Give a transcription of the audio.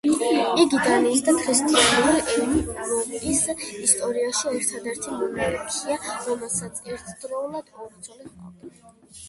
იგი დანიისა და ქრისტიანული ევროპის ისტორიაში ერთადერთი მონარქია, რომელსაც ერთდროულად ორი ცოლი ჰყავდა.